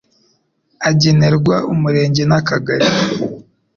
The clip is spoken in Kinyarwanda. agenerwa Umurenge n Akagari